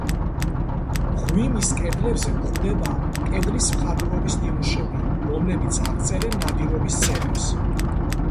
მღვიმის კედლებზე გვხვდება კედლის მხატვრობის ნიმუშები, რომლებიც აღწერენ ნადირობის სცენებს.